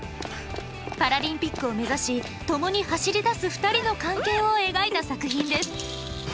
パラリンピックを目指しともに走り出す２人の関係を描いた作品です。